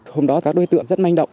hôm đó các đối tượng rất manh động